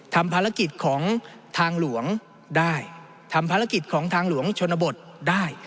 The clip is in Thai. ทำภารกิจของทางหลวงได้ทำภารกิจของทางหลวงชนบทได้